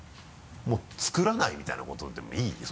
「もう作らない」みたいなことでもいい？